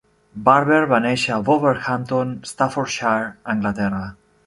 Barber va néixer a Wolverhampton, Staffordshire, Anglaterra.